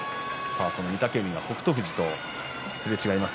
御嶽海が北勝富士とすれ違います。